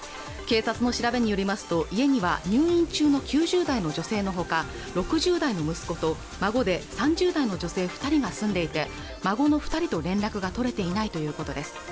警察の調べによりますと家には入院中の９０代の女性のほか６０代の息子と孫で３０代の女性二人が住んでいて孫の二人と連絡が取れていないということです